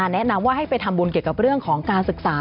แนะนำว่าให้ไปทำบุญเกี่ยวกับเรื่องของการศึกษา